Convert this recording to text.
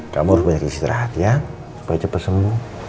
kamu harus menjadi istirahat ya supaya cepat sembuh